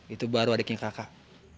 itu baru adiknya kakak